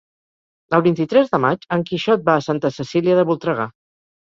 El vint-i-tres de maig en Quixot va a Santa Cecília de Voltregà.